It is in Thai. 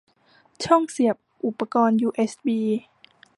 ช่องเสียบอุปกรณ์ยูเอสบี